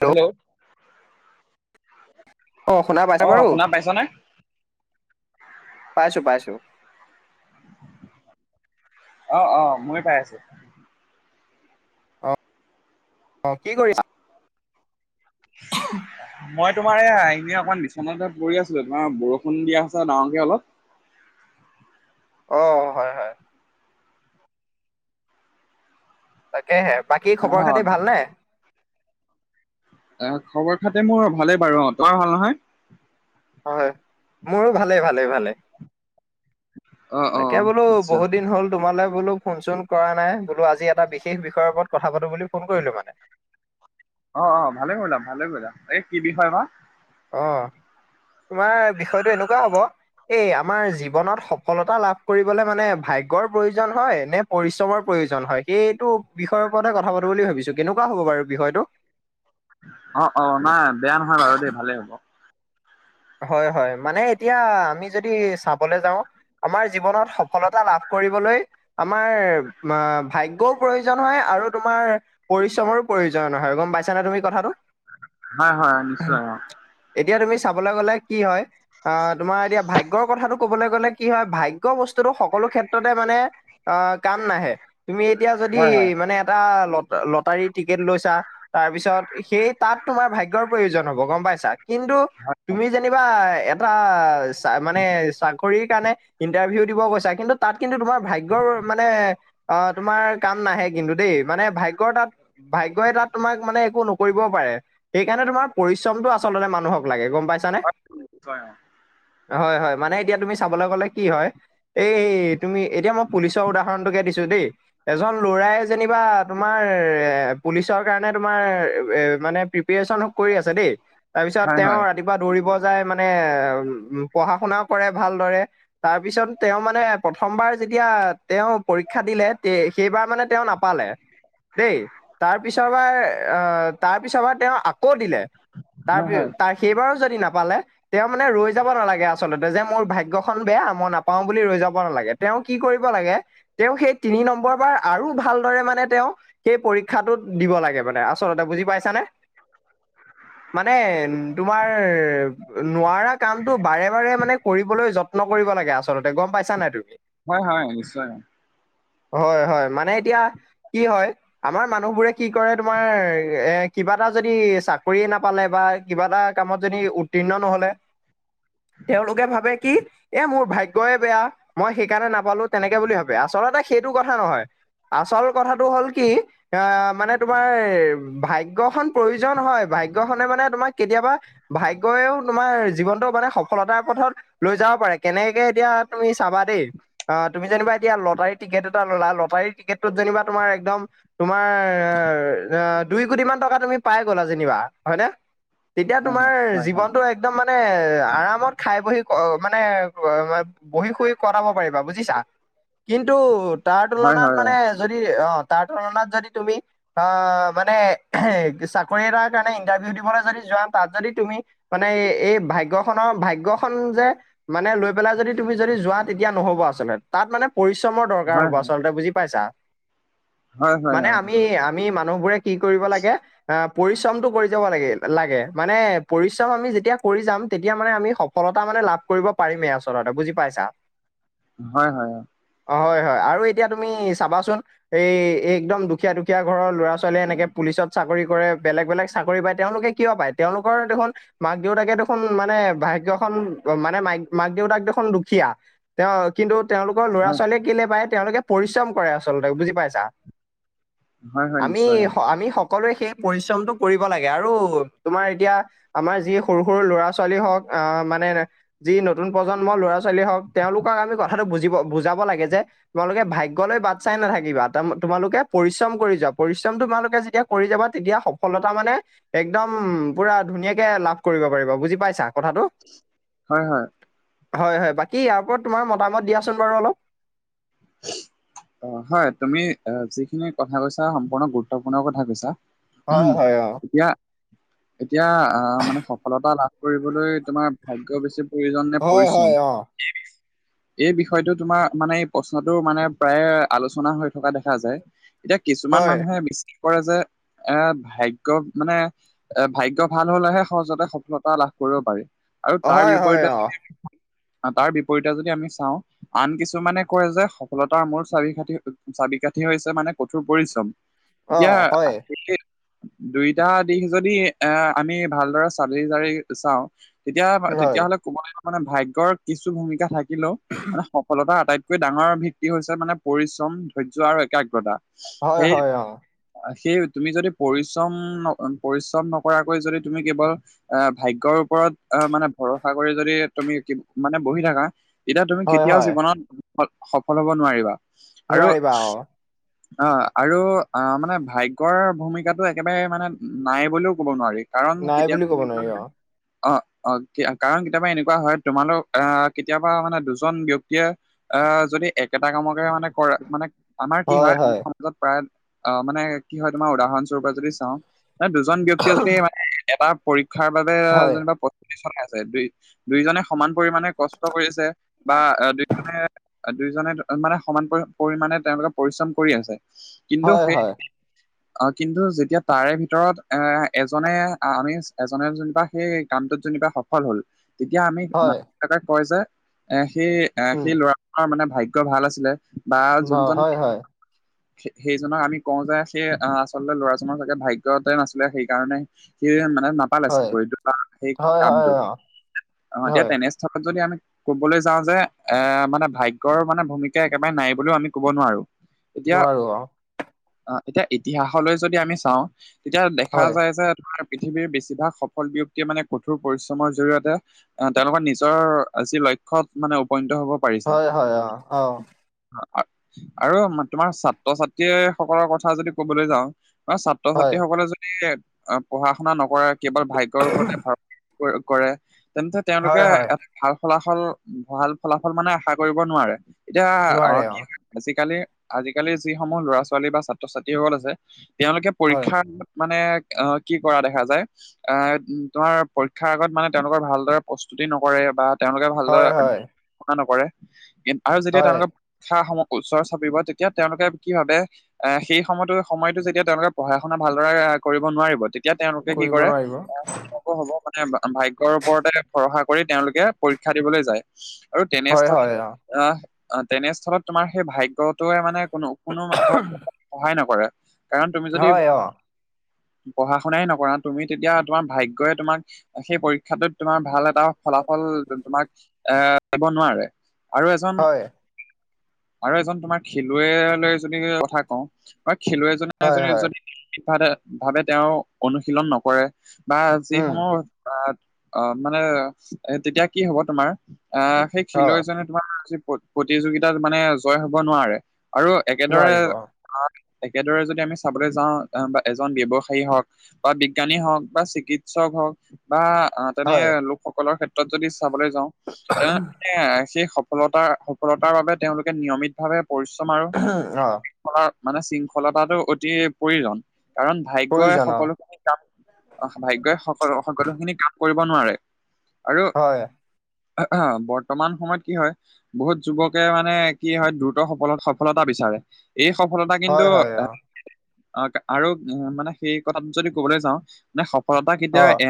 ত [unintelligible] hello অঁ শুনা পাইছানে বাৰু? পাইছ নে? পাইছো পাইছো অ', অ' ময়ো পাই আছো। অ অ' কি কৰিছা। মই তোমাৰ এই আহি এনেই অকমান বিচনতে পৰি আছো, তোমাৰ বৰষুণ দিয়া আছে ডাঙৰকে অলপ অ' হয়, হয়। তাকেহে, বাকী অ খবৰ খাতি ভাল নে? এ খবৰ খাতি মোৰ ভালে বাৰু অ', তোমাৰ ভাল নহয়? হয়। মোৰো ভালে ভালে ভালে। অ অ তাকে বোলো আচ্ছা। বহুত দিন হ'ল তোমালৈ বোলো ফোন চোন কৰা নাই, বোলো আজি এটা বিশেষ বিষয়ৰ ওপৰত কথা পাতো বুলি ফোন কৰিলো মানে। অ', অ' ভালে কৰিলা ভালে কৰিলা, এই কি বিষয় বা? অ' তোমাৰ বিষয়টো এনেকুৱা হ'ব। এই আমাৰ জীৱনত সফলতা লাভ কৰিবলে মানে ভাগ্যৰ প্ৰয়োজন হয় নে পৰিশ্ৰমৰ প্ৰয়োজন হয় সেইটো বিষয়ৰ ওপৰতে কথা পাতো বুলি ভাবিছো কেনেকুৱা হ'ব বাৰু বিষয়টো? অ অ নাই বেয়া নহয় বাৰু দেই ভালেই হ'ব। হয় হয় মানে এতিয়া আমি যদি চাবলৈ যাওঁ আমাৰ জীৱনত সফলতা লাভ কৰিবলৈ আমাৰ ভাগ্যও প্ৰয়োজন হয় আৰু তোমাৰ পৰিশ্ৰমৰো প্ৰয়োজন হয় গম পাইছানে তুমি কথাটো। হয় হয় নিশ্চয় অ এতিয়া তুমি চাবলে গ'লে কি হয় আহ তোমাৰ এতিয়া ভাগ্যৰ কথাটো কবলৈ গলে কি হয় ভাগ্য বস্তুটো সকলো ক্ষেত্ৰতে মানে আহ কাম নাহে তুমি এতিয়া যদি হয় হয়। মানে এটা লত লটাৰী টিকেট লৈছা তাৰ পিছত সেই তাত তোমাৰ ভাগ্যৰ প্ৰয়োজন হব গম পাইছা কিন্তু, হয়, তুমি যেনিবা এটা চা মানে চাকৰিৰ কাৰণে- ইণ্টাৰভিউ দিব গৈছা কিন্তু তাত কিন্তু তোমাৰ ভাগ্যৰ মানে অ তোমাৰ কাম নাহে কিন্তু দেই মানে ভাগ্যৰতাত ভাগ্যই তাত তোমাক মানে একো নোক- কৰিব পাৰে সেইকাৰণে তোমাৰ পৰিশ্ৰমটো আচলতে মানুহক লাগে গম পাইছানে। নিশ্চয় অ হয় হয় মানে এতিয়া তুমি চাবলৈ গ'লে- কি হয় এই তুমি এতিয়া মই পুলিচৰ উদাহৰণটোকে দিছো দেই- এজন ল'ৰাই যেনিবা তোমাৰ এ পুলিচৰ কাৰণে তোমাৰ এ মানে পিপ প্ৰিপৰেচনটো কৰি আছে দেই তাৰপিছত হয় হয় তেওঁৰ- ৰাতিপুৱা দৌৰিব যায় মানে উ পঢ়া শুনাও কৰে ভালদৰে তাৰ পিছত তেওঁ মানে প্ৰথমবাৰ যেতিয়া তেওঁ পৰীক্ষা দিলে তে সেইবাৰ মানে তেওঁ নাপালে। দেই তাৰপিছৰবাৰ আহ তাৰপিছৰবাৰ তেওঁ আকৌ দিলে হয় তাৰ হয় তাৰ সেইবাৰো যদি নাপালে তেওঁ মানে ৰৈ যাব নালাগে আচলতে যে মোৰ ভাগ্য খন বেয়া মই নাপাও বুলি ৰৈ যাব নালাগে। তেওঁ কি কৰিব লাগে তেওঁ সেই তিনি নম্বৰ বাৰ আৰু ভালদৰে মানে তেওঁ সেই পৰীক্ষাটোত দিব লাগে মানে আচলতে বুজি পাইছানে। মানে- তোমাৰ নোৱাৰা কামটো বাৰে বাৰে মানে কৰিবলৈ যত্ন কৰিব লাগে আছ চলতে গম পাইছা নাই তুমি? হয় হয়, নিশ্চয় হয়। হয় হয় মানে এতিয়া কি হয় আমাৰ মানুহবোৰে কি কৰে তোমাৰ এ কিবা এটা যদি চাকৰিয়ে নাপালে বা কিবা এটা কামত যদি উত্তীৰ্ণ নহলে তেওঁলোকে ভাবে কি এ মোৰ ভাগ্যয় বেয়া মই সেইকাৰণে নাপালো তেনেকে বুলি ভাবে আচলতে সেইটো কথা নহয়। আচল কথাটো হ'ল কি আহ মানে তোমাৰ ভাগ্যখন প্ৰয়োজন হয় ভাগ্যখনে মানে তোমাক কেতিয়াবা ভাগ্যয়ইও তোমাৰ জীৱনটো মানে সফলতাৰ পথত লৈ যাব পাৰে কেনেকে এতিয়া তুমি চাবা দেই অ তুমি যেনিবা এতিয়া লটাৰী টিকেট এটা ল'লা লটাৰী টিকেটটোত যেনিবা তুমাৰ একদম তোমাৰ অঁ দুই কোটি মান টকা তুমি পাই গ'লা যেনিবা হয়নে তেতিয়া অ হয় তোমাৰ হয় জীৱনটো একদম মানে আৰামত খাই বহি ক মানে বহি শুই কটাব পাৰিবা বুজিছা কিন্তু তাৰ হয় হয়। হয় তুলনাত হয় অ মানে- যদি অ' তাৰ তুলনাত যদি তুমি। অ' মানে চাকৰি এটাৰ কাৰণে ইন্টাৰভিউ দিবলৈ যদি যাম। তাত যদি তুমি মানে এই ভাগ্যখনৰ ভাগ্যখন যে। মানে লৈ পেলাই যদি তুমি যদি যোৱা তেতিয়া নহ'ব আচলতে তাত মানে। পৰিশ্ৰমৰ দৰকাৰ হয় হ'ব হয় আচলতে বুজি পাইছা, হয় হয় মানে অ আমি তাকে আমি ম। মানুহ বোৰে কি কৰিব লাগে অ' পৰিশ্ৰমটো কৰি যাব লাগে লাগে। মানে পৰিশ্ৰম আমি যেতিয়া কৰি যাম তেতিয়া মানে আমি সফলতা মানে লাভ কৰিব পাৰিমেই আচলতে বুজি পাইছা। অঁ। হয় হয় হয়। অঁ হয় হয় আৰু এতিয়া তুমি চাবাচোন। এই একদম দুখীয়া দুখীয়া ঘৰৰ ল'ৰা ছোৱালীয়ে এনেকে পুলিচত চাকৰি কৰে বেলেগ বেলেগ। চাকৰি পায়, তেওঁলোকে কিয় পায় তেওঁলোকৰ দেখোন। মাক দেউতাকে দেখোন মানে ভাগ্যখন মানে মাই মাক দেউতাক দেখোন দুখীয়া। তেওঁ কিন্তু তেওঁলোকৰ লৰা হয় ছোৱালীয়ে কেলৈ পায় তেওঁলোকে পৰিশ্ৰম কৰে আচলতে বুজি পাইছা। হয় হয় আমি নিশ্চয় অ আমি সকলোৱে সেই পৰিশ্ৰমটো কৰিব লাগে আৰু। তোমাৰ এতিয়া আমাৰ যি সৰু সৰু ল'ৰা ছোৱালী হওক আহ মানে। যি নতুন প্ৰজন্মৰ ল'ৰা ছোৱালী হওক, তেওঁলোকক আমি কথাটো বুজিব বুজাব লাগে যে। তোমালোকে ভাগ্য ললৈ বাট চাই নাথাকিবা, তোমালোকে পৰিশ্ৰম কৰি যোৱা পৰিশ্ৰম তোমালোকে যেতিয়া। কৰি যাবা, তেতিয়া সফলতা মানে একদম। উম, পুৰা ধুনীয়াকে লাভ কৰিব পাৰিব বুজি পাইছা কথাটো। হয় হয়। হয় হয়, বাকী ইয়াৰ ওপৰত তোমাৰ মতামত দিয়াচোন বাৰু অলপ। অ' হয় তুমি যিখিনি কথা কৈছা সম্পূৰ্ণ গুৰুত্বপূৰ্ণ কথা কৈছা। হয় হয় অ এতিয়া। এতিয়া আহ মানে সফলতা লাভ কৰিবলৈ তোমাৰ ভাগ্য বেছি। প্ৰয়োজন নে হয় পৰিশ্ৰম হয় অ এই বিষয়টো তোমাৰ মানে। প্ৰশ্নটো মানে প্ৰায়ে আলোচনা হৈ থকা দেখা যায় এতিয়া কিছুমান মানুহে। কৰে যে, এ ভাগ্য মানে। এ' ভাগ্য ভাল হলেহে সহজতে সফলতা লাভ কৰিব পাৰি। আৰু তাৰ হয় হয় হয় বিপৰীতে অ যদি আ তাৰ বিপৰীতে যদি আমি চাওঁ আন কিছুমানে। কলে যে সফলতাৰ মূল চাবিকাঠি চাবিকাঠি হৈছে মানে কঠোৰ পৰিশ্ৰম। অ এতিয়া হয় বিশেষ। দুইটা দিশ যদি এ আমি ভালদৰে চালি জাৰি চাওঁ। তেতিয়া হয় তেতিয়াহলে ক'ব লাগিব মানে ভাগ্যৰ কিছু ভূমিকা থাকিলেও মানে সফলতাৰ আটাইতকৈ। আটাইতকৈ ডাঙৰ ভিত্তি হৈছে মানে পৰিশ্ৰম ধৈৰ্য্য আৰু একাগ্ৰতা। হয় সেই হয় অ'। সেই তুমি যদি পৰিশ্ৰম- পৰিশ্ৰম নকৰাকৈ যদি তুমি কেৱল। এ' ভাগ্যৰ ওপৰত আহ মানে ভৰসা কৰি যদি তুমি মানে বহি থাকা। এতিয়া তুমি হয় কেতিয়াও হয় জীৱনত সফল হব নোৱাৰিবা আৰু। নোৱাৰিবা [inaudible] অ' আৰু অ' মানে ভাগ্যৰ ভূমিকাটো একেবাৰে মানে নাই বুলিও ক'ব নোৱাৰি। কাৰণ নাই বুলি ক'ব কেতিয়াবা এনে নোৱাৰি অ ন। অ' অ' কাৰণ কেতিয়াবা এনেকুৱা হয়, তোমালোক আহ কেতিয়াবা মানে দুজন ব্যক্তিয়ে। আহ যদি একেটা কামকে মানে কৰা মানে আমাৰ কি হয়। ত' প্ৰায় অ' মানে কি হয় তোমাৰ উদাহৰণ স্বৰূপে যদি চাওঁ। এ দুজন ব্যক্তিয়ে যদি মানে এটা পৰীক্ষাৰ বাবে হয় যেনিবা প্ৰস্তুতি চলাই আছে দেই। দুয়োজনে সমান পৰিমানে কষ্ট কৰিছে বা দুয়োজনে দুইজনে মানে সমান পৰিমণে তেওঁলোকে পৰিশ্ৰম কৰি আছে কিন্তু সেই অ অ কিন্তু যেতিয়া তাৰে ভিতৰত এ এজনে আমি এজনে যেনিবা সেই কামটোত যেনিবা সফল হ'ল তেতিয়া আমি হয় মা-দেউতা কয় যে এ সেই এ উম সেই ল'ৰা মানে ভাগ্য ভাল আছিলে বা যোনজন [unintelligible] সেইজনক আমি কওঁ যে সেই আচলতে ল'ৰাজনৰ চাগে ভাগ্যতে নাছিলে সেইকাৰণে সিজেন মানে নাপালে হয় চাকৰিটো বা সেই হয় হয় কামটো অ তেওঁ হয় তেনেস্থলত যদি আমি ক'বলৈ যাওঁ যে এ মানে ভাগ্যৰ মানে ভূমিকা একেবাৰে নাই বুলিও আমি কব নোৱাৰো, এতিয়া নোৱাৰো অ অৱ এতিয়া ইতিহাসলৈ যদি আমি চাওঁ তেতিয়া দেখা হয় যায় যে তোমাৰ পৃথিৱীৰ বেছিভাগ সফল ব্যক্তিয়ে মানে কঠোৰ পৰিশ্ৰমৰ জৰিয়তে আহ তেওঁলোকৰ নিজৰ যি লক্ষ্যত মানে উপনীত হ'ব পাৰি। হয় হয় অৱ অৱ। আৰু তোমাৰ ছাত্ৰ-ছাত্ৰী সকলৰ কথা যদি ক'বলৈ যাওঁ অৱ ছাত্ৰ-ছাত্ৰী হয় সকলে যদি পঢ়া-শুনা নকৰে কেৱল ভাগ্যয়ৰ ওপৰতে ভৰসা কৰে তেন্তে হয় তেওঁলোকে হয় এটা ভাল ফলাফল ভাল ফলাফল মানে আশা কৰিব নোৱাৰে এতিয়া আহ নোৱাৰে অ কি আজিকালি আজিকালিৰ যিসমূহ ল'ৰা ছোৱালী বা ছাত্ৰ-ছাত্ৰীসকল আছে তেওঁলোকে হয় পৰীক্ষাৰ মানে অ কি কৰা দেখা যায়। এ তোমাৰ পৰীক্ষাৰ আগত মানে তেওঁলোকৰ ভালদৰে প্ৰস্তুতি নকৰে বা তেওঁলোকে ভালদৰে হয় হয় পঢ়া-শুনা নকৰে আৰু যেতিয়া হয় তেওঁলোকে পৰীক্ষা ওচৰ চাপিব তেতিয়া তেওঁলোকে কি ভাবে এ সেই সময়তো সময়তো যেতিয়া তেওঁলোকে পঢ়া শুনা ভালদৰে কৰিব নোৱাৰিব তে তেতিয়া তেওঁলোকে কি কৰিব কৰে, নোৱাৰিব এ কি হ'ব, হ'ব মানে ভাগ্যৰ ওপৰতে ভৰসা কৰি তেওঁলোকে পৰীক্ষা দিবলৈ যায়। আৰু হয় হয় তেনেস্থলীত অ আহ তেনেস্থলত তোমাৰ সেই ভাগ্যটোৱে মানে কোনো কোনো ধৰক সহায় নকৰে কাৰণ তুমি যদি হয় অ পঢ়া-শুনাই নকৰা তুমি তেতিয়া তোমাৰ ভাগ্যই তোমাক সেই পৰীক্ষাটোত তোমাৰ ভাল এটা এটা ফলাফল তোমাক এ দিব নোৱাৰে আৰু এজন হয় আৰু এজন তোমাৰ খেলুৱৈ লৈ যদি কথা কওঁ তোমাৰ হয় খেলুৱৈজনে হয় যদি ভাৱে ভাৱে তেওঁ অনুশীলন নকৰে বা উম যিসমূহ অৱ মানে তেতিয়া কি হ'ব তোমাৰ আহ, সেই অ খিলৈ তোমাৰ আজি প্ৰতিযোগিতাত মানে জয় হ'ব নোৱাৰে আৰু একেদৰে নোৱাৰিব অ একেদৰে যদি আমি চাবলৈ যাওঁ বা এজন ব্যৱসায়ী হওক বা বিজ্ঞানী হওক বা চিকিৎসক হওক বা তেনে হয় লোকসকলৰ ক্ষেত্ৰত যদি চাবলৈ যাওঁ, তেনে সেই সফলতা সফলতাৰ বাবে তেওঁলোকে নিয়মিত ভাৱে পৰিশ্ৰম আৰু অ। শৃংলা মানে শৃংখলতাটো অতি প্ৰয়োজন কাৰণ ভাগ্যই প্ৰয়োজন অ সকলো ভাগ্যয়ই সকল সকলো খিনি কাম কৰিব নোৱাৰে আৰু হয়। অ বৰ্তমান সময়ত, কি হয় বহুত যুৱকে মানে কি হয় দ্ৰুত সফলত সফলতা বিচাৰে। এই সফলতা হয় কিন্তু হয় এ অ আৰু মানে সেই কথা যদি কবলৈ যাওঁ। মানে সফলতা কেতিয়া অ এ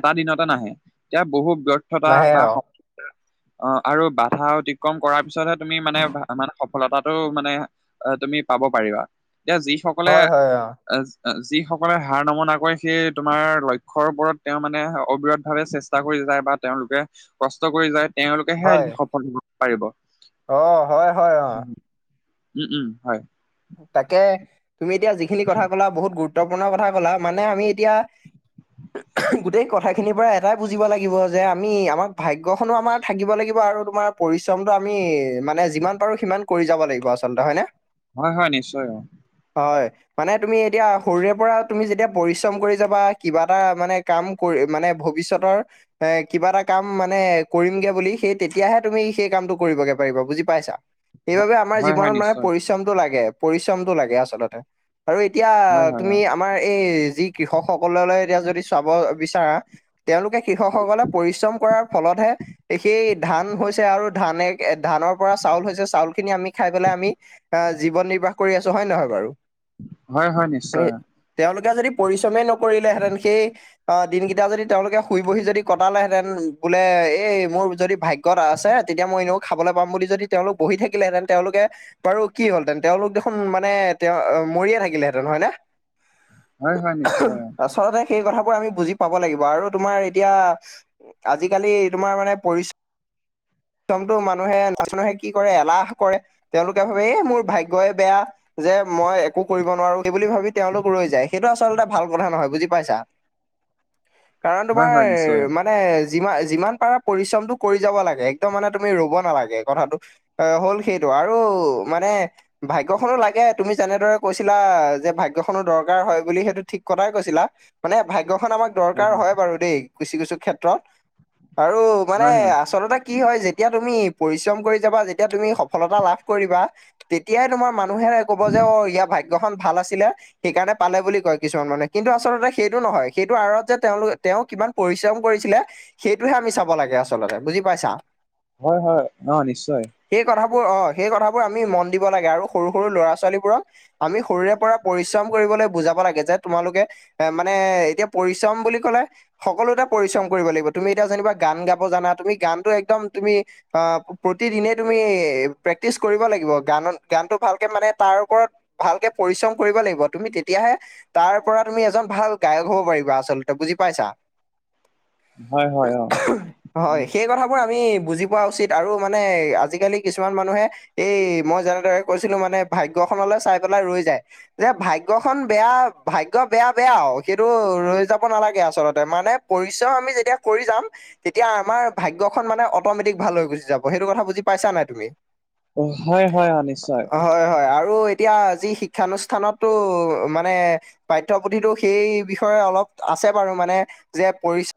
এটা দিনতে নাহে এতিয়া বহুত ব্যৰ্থতা নাহে বা অ অ আৰু বাধা অতিক্ৰম কৰাৰ পিছতহে তুমি মানে মানে সফলতাটো মানে, আহ তুমি পাব পাৰিবা এতিয়া যিসকলে। হয় হয় অ যিসকলে হাৰ নমনা কৰে সেই তোমাৰ লক্ষীয় ওপৰত তেওঁ মানে অবিৰত ভাৱে চেষ্টা কৰি যায় বা তেওঁলোকে কষ্ট কৰি যায় তেওঁলোকে। তেতিয়াহে হয় এদিন সফল হব পাৰিব অ হয় হয় অ উম উম হয়। তাকে তুমি এতিয়া যিখিনি কথা কলা বহুত গুৰুত্বপূৰ্ণ কথা কলা মানে আমি এতিয়া। গোটেই কথাখিনিৰ পৰা এটাই বুজিব লাগিব যে আমি আমাক, ভাগ্য খনো আমাৰ থাকিব লাগিব আৰু তোমাৰ পৰিশ্ৰমটো আমি মানে যিমান পাৰো সিমান। কৰি যাব লাগিব আচলতে হয়নে। হয় হয় নিশ্চয় হয়। হয় মানে তুমি এতিয়া সৰুৰে পৰা তুমি যেতিয়া পৰিশ্ৰম কৰি যাবা কিবা এটা মানে কাম। কৰি মানে ভৱিষ্যতৰ, এ কিবা এটা কাম মানে কৰিমগে বুলি সেই তেতিয়াহে তুমি সেই কামটো কৰিবগে পাৰিবা বুজি পাইছা। সেইবাবে আমাৰ হয় হয় জীৱনত মানে নিশ্চয় পৰিশ্ৰমটো লাগে পৰিশ্ৰমটো লাগে আচলতে। আৰু এতিয়া হয় হয় তুমি, অ আমাৰ এই যি কৃষক সকললৈ এতিয়া যদি চাব বিচাৰা তেওঁলোকে, কৃষকসকলে পৰিশ্ৰম কৰাৰ ফলতহে। সেই ধান হৈছে আৰু ধানে ধানৰ পৰা চাউল হৈছে চাউল খিনি আমি খাই পেলাই আমি, এ জীৱন নিৰ্বাহ কৰি আছো হয় নে নহয় বাৰু হয় হয় এ- নিশ্চয়। তেওঁলোকে যদি পৰিশ্ৰমেই নকৰিলেহেঁতেন সেই, অ দিনকেইটা যদি তেওঁলোকে শুই বহি যদি কটালেহেঁতেন বোলে এই মোৰ যদি ভাগ্য, ত আছে তেতিয়া মই এনেও খাবলৈ পাম বুলি যদি তেওঁলোক বহি থাকিলেহেঁতেন তেওঁলোকে। বাৰু কি হ'লহেতেন তেওঁলোক দেখোন মানে তেওঁ মৰিয়ে থাকিলেহেঁতেন হয়নে। অ হয় হয় নিশ্চয় অ আচলতে সেই কথাবোৰ আমি বুজি পাব লাগিব আৰু তোমাৰ এতিয়া। আজিকালি তোমাৰ মানে পৰিশ্ৰ মটো মানুহে [unintelligible] কি কৰে এলাহ কৰে তেওঁলোকে ভাবে এই মোৰ ভাগ্যই, বেয়া। যে মই একো কৰিব নোৱাৰো সেই বুলি ভাবি তেওঁলোক ৰৈ যায় সেইটো আচলতে ভাল কথা নহয় বুজি পাইছা। কাৰণ হয় তোমাৰ হয় নিশ্চয় অ মান মানে যিমান যিমান পাৰা পৰিশ্ৰমটো কৰি যাব লাগে একদম মানে তুমি ৰ'ব নালাগে কথাটো। অ হ'ল সেইটো আৰু মানে। ভাগ্যখনো লাগে তুমি যেনেদৰে কৈছিলা যে ভাগ্যখনো দৰকাৰ হয় বুলি সেইটো ঠিক কথাই কৈছিলা। মানে ভাগ্যখন আমাক, দৰকাৰ হয় বাৰু দেই কিছু কিছু ক্ষেত্ৰত আৰু মানে হয় হয় আচলতে কি হয় যে তিয়া তুমি পৰিশ্ৰম কৰি যাবা যেতিয়া তুমি সফলতা লাভ কৰিবা। তেতিয়াই তোমাৰ মানুহে ক'ব যে অ ইয়াৰ ভাগ্যখন ভাল আছিলে। সেইকাৰণে পালে বুলি কয় কিছুমান মানে কিন্তু আচলতে সেইটো নহয় সেইটো আঁৰত যে তেওঁলোক তেওঁ কিমান। পৰিশ্ৰম কৰিছিলে সেইটোহে আমি চাব লাগে আচলতে বুজি পাইছা। হয় হয় অ নিশ্চয়। এই কথাবোৰ অঁ সেই কথাবোৰ আমি মন দিব লাগে আৰু সৰু সৰু ল'ৰা ছোৱালীবোৰক আমি সৰুৰে পৰা পৰিশ্ৰম কৰিবলৈ বুজাব লাগে যে তোমালোকে এ মানে এতিয়া পৰিশ্ৰম বুলি কলে সকলোতে পৰিশ্ৰম কৰিব লাগিব, তুমি এতিয়া যেনিবা গান গাব জানা তুমি গানটো একদম তুমি আ প্ৰতিদিনে তুমি প্ৰেক্টিচ কৰিব লাগিব। গানত গানটো ভালকে মানে তাৰ ওপৰত ভালকে পৰিশ্ৰম কৰিব লাগিব তুমি তেতিয়াহে তাৰ পৰা তুমি এজন ভাল গায়ক হব পাৰিবা আচলতে, বুজি পাইছা? হয় হয় অ হয়, সেই কথাবোৰ আমি বুজি পোৱা উচিত আৰু মানে আজিকালি কিছুমান মানুহে এই মই যেনেদৰে কৈছিলো মানে ভাগ্যখনলৈ চাই পেলাই ৰৈ যায়। যে ভাগ্যখন বেয়া ভাগ্য বেয়া বেয়া আৰু সেইটো ৰৈ যাব নালাগে আচলতে মানে পৰিশ্ৰম আমি যেতিয়া কৰি যাম তেতিয়া আমাৰ ভাগ্যখন মানে অট'মেটিক ভাল হৈ গুচি যাব। সেইটো কথা বুজি পাইছা নাই তুমি? হয় হয় অ' নিশ্চয়। হয় হয় আৰু এতিয়া যি শিক্ষানুষ্ঠানতো মানে পাঠ্যপুথিতো সেই বিষয়ে অলপ আছে বাৰু মানে যে পৰি